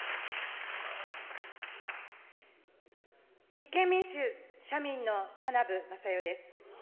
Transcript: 立憲民主・社民の田名部匡代です。